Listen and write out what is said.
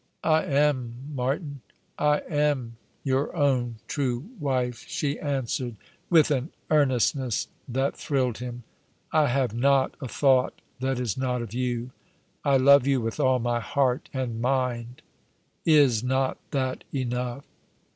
"" I am, Martin — I am your own true wife," she answered, ^* My L ife coritin ties yo n rs'^ 195 with an earnestness that thrilled Lim. "I have not a thought that is not of you. I love you with all my heart and mind. Is not that enough